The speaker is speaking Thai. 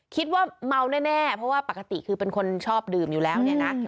คิดว่าเมาแน่เพราะว่าปกติคือเป็นคนชอบดื่มอยู่แล้วเนี่ยนะ